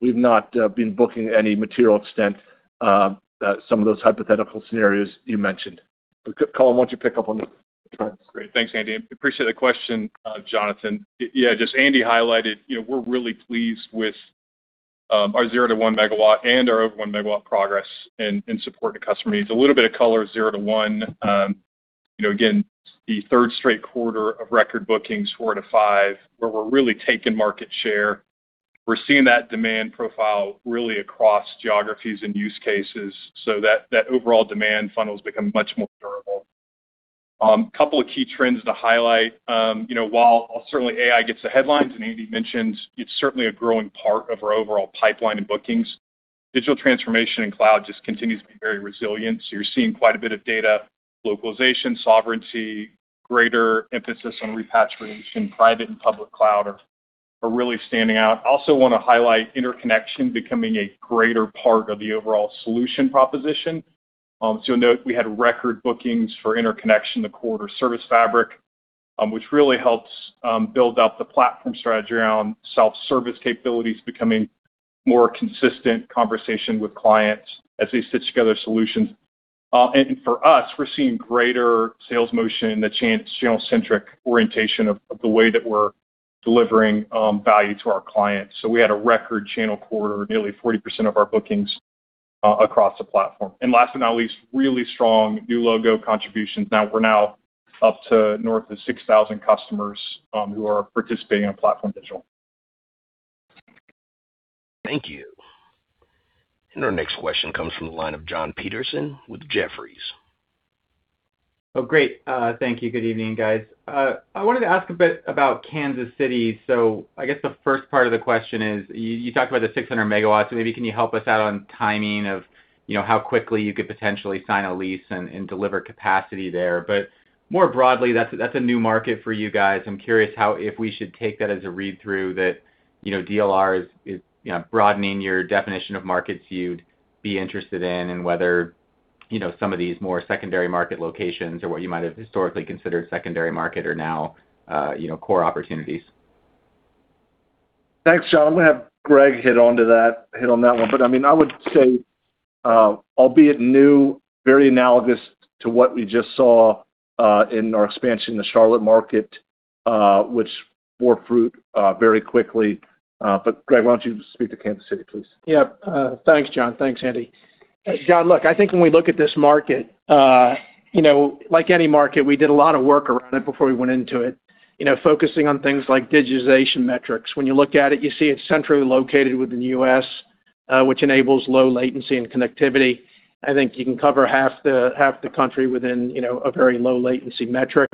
We've not been booking any material extent that some of those hypothetical scenarios you mentioned. Colin, why don't you pick up on the trends? Great. Thanks, Andy. Appreciate the question, Jonathan. Yeah. Andy highlighted, we're really pleased with our 0-1 MW and our over 1 MW progress in supporting customer needs. A little bit of color, zero to one. Again, the third straight quarter of record bookings, four out of five, where we're really taking market share. We're seeing that demand profile really across geographies and use cases, that overall demand funnel's become much more durable. Couple of key trends to highlight. While certainly AI gets the headlines, Andy mentioned it's certainly a growing part of our overall pipeline and bookings. Digital transformation and cloud continues to be very resilient. You're seeing quite a bit of data localization, sovereignty, greater emphasis on repatriation, private and public cloud are really standing out. Also want to highlight interconnection becoming a greater part of the overall solution proposition. You'll note we had record bookings for interconnection the quarter ServiceFabric, which really helps build out the platform strategy around self-service capabilities becoming more consistent conversation with clients as they stitch together solutions. For us, we're seeing greater sales motion in the channel-centric orientation of the way that we're delivering value to our clients. We had a record channel quarter, nearly 40% of our bookings across the platform. Last but not least, really strong new logo contributions. Now we're now up to north of 6,000 customers who are participating in PlatformDIGITAL. Thank you. Our next question comes from the line of Jon Petersen with Jefferies. Oh, great. Thank you. Good evening, guys. I wanted to ask a bit about Kansas City. I guess the first part of the question is, you talked about the 600 MW. Maybe can you help us out on timing of how quickly you could potentially sign a lease and deliver capacity there. More broadly, that's a new market for you guys. I'm curious if we should take that as a read-through that DLR is broadening your definition of markets you'd be interested in, and whether some of these more secondary market locations, or what you might have historically considered secondary market are now core opportunities. Thanks, Jon. I'm going to have Greg hit on that one. I would say, albeit new, very analogous to what we just saw in our expansion in the Charlotte market, which bore fruit very quickly. Greg, why don't you speak to Kansas City, please? Yeah. Thanks, Jon. Thanks, Andy. Jon, look, I think when we look at this market, like any market, we did a lot of work around it before we went into it, focusing on things like digitization metrics. When you look at it, you see it's centrally located within the U.S., which enables low latency and connectivity. I think you can cover half the country within a very low latency metric.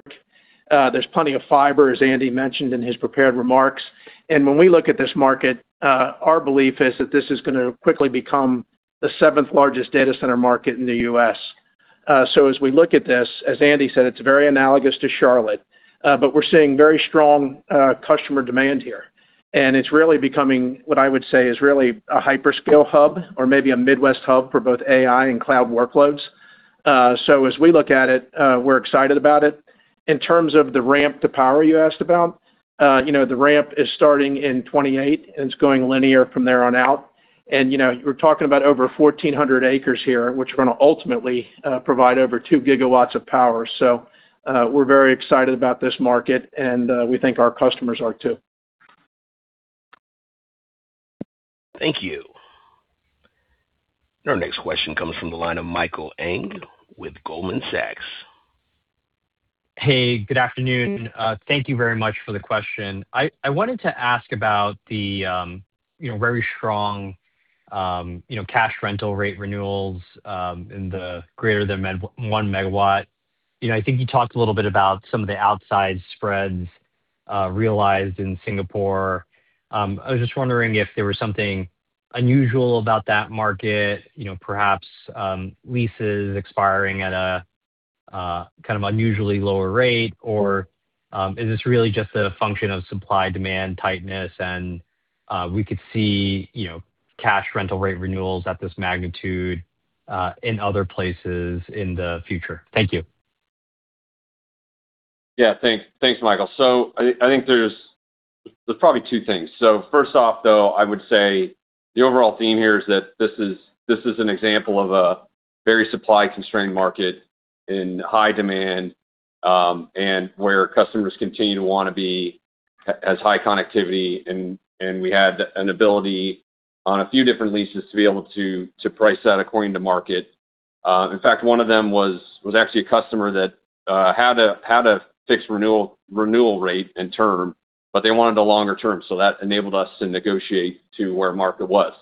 There's plenty of fiber, as Andy mentioned in his prepared remarks. When we look at this market, our belief is that this is going to quickly become the seventh largest data center market in the U.S. As we look at this, as Andy said, it's very analogous to Charlotte. We're seeing very strong customer demand here, it's really becoming what I would say is really a hyperscale hub or maybe a Midwest hub for both AI and cloud workloads. As we look at it, we're excited about it. In terms of the ramp to power you asked about, the ramp is starting in 2028, it's going linear from there on out. We're talking about over 1,400 acres here, which are going to ultimately provide over 2 GW of power. We're very excited about this market, and we think our customers are too. Thank you. Our next question comes from the line of Michael Ng with Goldman Sachs. Hey, good afternoon. Thank you very much for the question. I wanted to ask about the very strong cash rental rate renewals in the greater than 1 MW. I think you talked a little bit about some of the outsized spreads realized in Singapore. I was just wondering if there was something unusual about that market, perhaps leases expiring at a kind of unusually lower rate, or is this really just a function of supply-demand tightness and we could see cash rental rate renewals at this magnitude in other places in the future? Thank you. Yeah. Thanks, Michael. I think there's probably two things. First off, though, I would say the overall theme here is that this is an example of a very supply-constrained market in high demand, where customers continue to want to be as high connectivity, and we had an ability on a few different leases to be able to price that according to market. In fact, one of them was actually a customer that had a fixed renewal rate and term, they wanted a longer term, that enabled us to negotiate to where market was.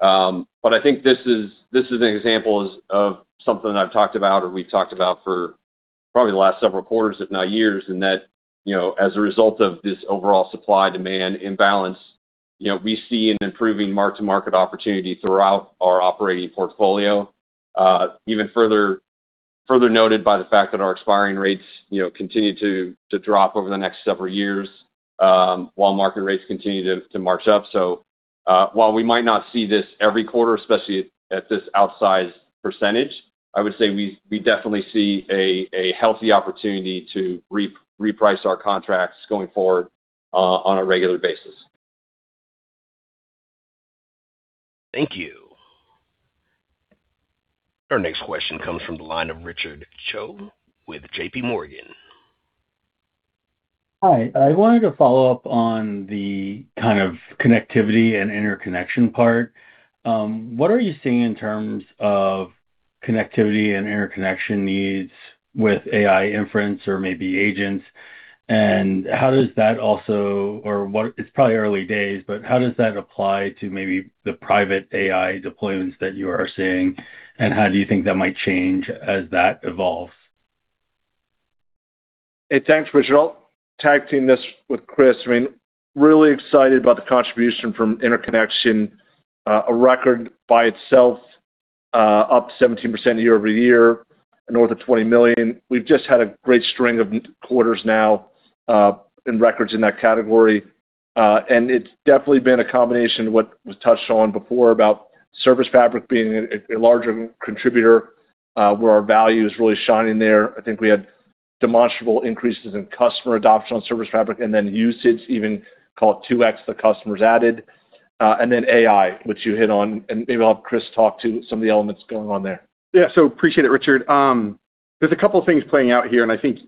I think this is an example of something that I've talked about or we've talked about for probably the last several quarters, if not years, as a result of this overall supply-demand imbalance, we see an improving mark-to-market opportunity throughout our operating portfolio. Even further noted by the fact that our expiring rates continue to drop over the next several years, while market rates continue to march up. While we might not see this every quarter, especially at this outsized percentage, I would say we definitely see a healthy opportunity to reprice our contracts going forward on a regular basis. Thank you. Our next question comes from the line of Richard Chow with JPMorgan. Hi. I wanted to follow up on the kind of connectivity and interconnection part. What are you seeing in terms of connectivity and interconnection needs with AI inference or maybe agents, and how does that also, or it's probably early days, but how does that apply to maybe the private AI deployments that you are seeing, and how do you think that might change as that evolves? Hey, thanks, Richard. I'll tag team this with Chris. I mean, really excited about the contribution from interconnection. A record by itself, up 17% year-over-year, north of $20 million. We've just had a great string of quarters now, and records in that category. It's definitely been a combination of what was touched on before about ServiceFabric being a larger contributor, where our value is really shining there. I think we had demonstrable increases in customer adoption on ServiceFabric and then usage even, call it, 2x the customers added. Then AI, which you hit on, and maybe I'll have Chris talk to some of the elements going on there. Yeah. Appreciate it, Richard. There's a couple of things playing out here, and I think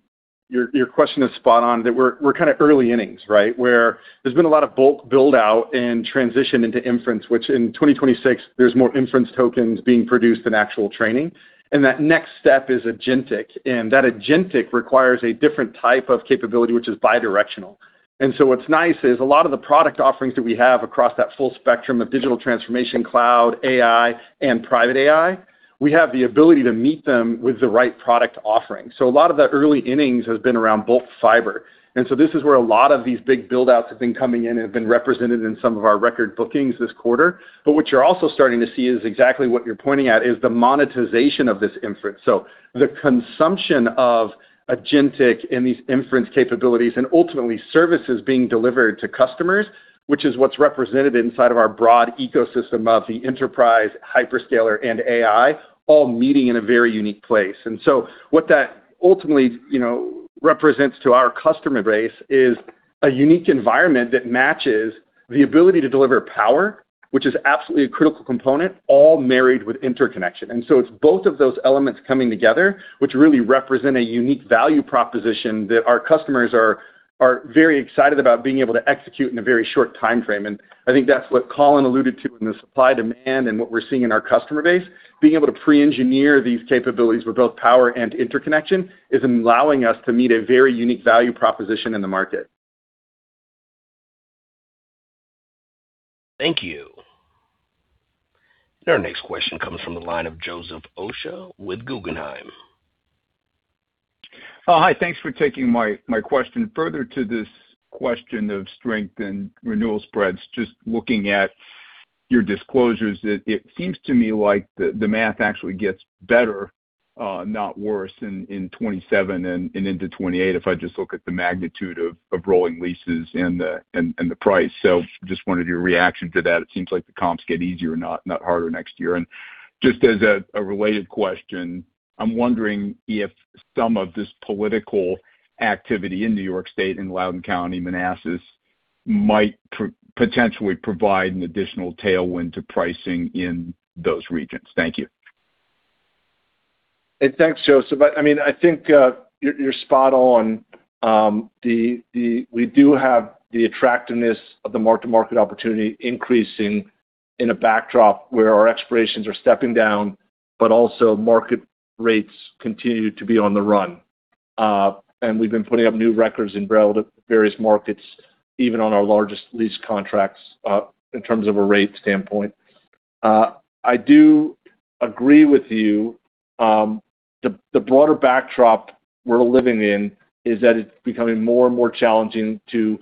your question is spot on, that we're kind of early innings, right? Where there's been a lot of bulk build-out and transition into inference, which in 2026, there's more inference tokens being produced than actual training. That next step is agentic, and that agentic requires a different type of capability, which is bi-directional. What's nice is a lot of the product offerings that we have across that full spectrum of digital transformation, cloud, AI, and private AI, we have the ability to meet them with the right product offering. A lot of the early innings has been around bulk fiber. This is where a lot of these big build-outs have been coming in and have been represented in some of our record bookings this quarter. What you're also starting to see is exactly what you're pointing at, is the monetization of this inference. The consumption of agentic and these inference capabilities and ultimately services being delivered to customers, which is what's represented inside of our broad ecosystem of the enterprise hyperscaler and AI, all meeting in a very unique place. What that ultimately represents to our customer base is a unique environment that matches the ability to deliver power, which is absolutely a critical component, all married with interconnection. It's both of those elements coming together, which really represent a unique value proposition that our customers are very excited about being able to execute in a very short timeframe. I think that's what Colin alluded to in the supply-demand and what we're seeing in our customer base. Being able to pre-engineer these capabilities with both power and interconnection is allowing us to meet a very unique value proposition in the market. Thank you. Our next question comes from the line of Joseph Osha with Guggenheim. Hi. Thanks for taking my question. Further to this question of strength and renewal spreads, just looking at your disclosures, it seems to me like the math actually gets better, not worse in 2027 and into 2028 if I just look at the magnitude of rolling leases and the price. Just wanted your reaction to that. It seems like the comps get easier, not harder next year. Just as a related question, I'm wondering if some of this political activity in New York State, in Loudoun County, Manassas, might potentially provide an additional tailwind to pricing in those regions. Thank you. Hey, thanks, Joseph. I think you're spot on. We do have the attractiveness of the mark-to-market opportunity increasing in a backdrop where our expirations are stepping down, also market rates continue to be on the run. We've been putting up new records in relative various markets, even on our largest lease contracts, in terms of a rate standpoint. I do agree with you. The broader backdrop we're living in is that it's becoming more and more challenging to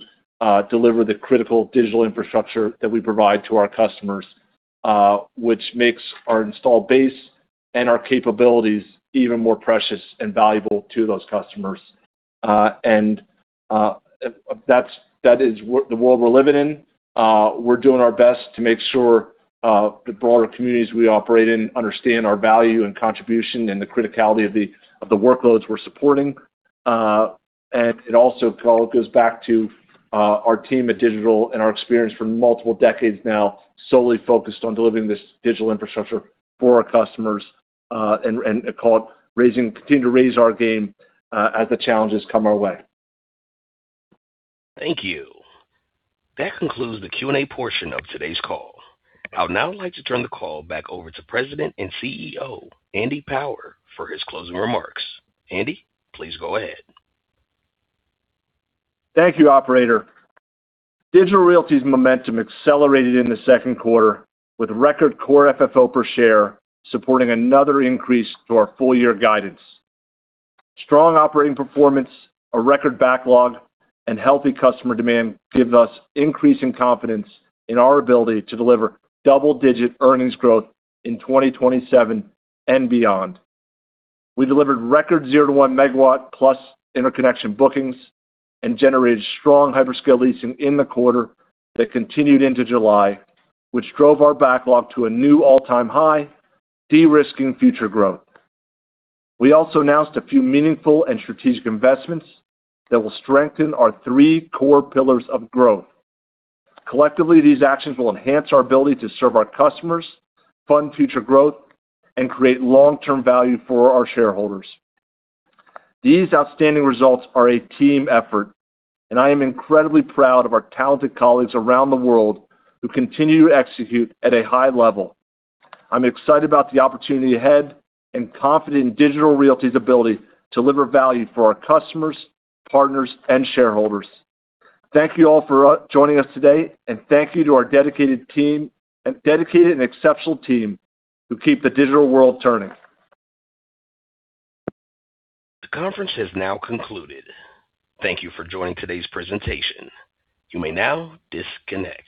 deliver the critical digital infrastructure that we provide to our customers, which makes our installed base and our capabilities even more precious and valuable to those customers. That is the world we're living in. We're doing our best to make sure the broader communities we operate in understand our value and contribution and the criticality of the workloads we're supporting. It also all goes back to our team at Digital and our experience for multiple decades now, solely focused on delivering this digital infrastructure for our customers and, call it, continue to raise our game as the challenges come our way. Thank you. That concludes the Q&A portion of today's call. I would now like to turn the call back over to President and CEO, Andy Power, for his closing remarks. Andy, please go ahead. Thank you, operator. Digital Realty's momentum accelerated in the second quarter with record core FFO per share, supporting another increase to our full year guidance. Strong operating performance, a record backlog, and healthy customer demand give us increasing confidence in our ability to deliver double-digit earnings growth in 2027 and beyond. We delivered record 0-1 MW plus interconnection bookings and generated strong hyperscale leasing in the quarter that continued into July, which drove our backlog to a new all-time high, de-risking future growth. We also announced a few meaningful and strategic investments that will strengthen our three core pillars of growth. Collectively, these actions will enhance our ability to serve our customers, fund future growth, and create long-term value for our shareholders. These outstanding results are a team effort, and I am incredibly proud of our talented colleagues around the world who continue to execute at a high level. I'm excited about the opportunity ahead and confident in Digital Realty's ability to deliver value for our customers, partners, and shareholders. Thank you all for joining us today, and thank you to our dedicated and exceptional team who keep the digital world turning. The conference has now concluded. Thank you for joining today's presentation. You may now disconnect.